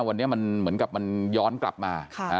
วันนี้มันเหมือนกับมันย้อนกลับมา